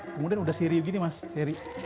kemudian udah seri begini mas seri